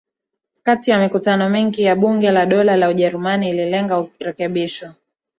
Kati na mikutano mingi ya Bunge la Dola la Ujerumani ililenga urekebisho